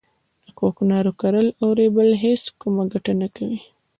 د کوکنارو کرل او رېبل هیڅ کومه ګټه نه کوي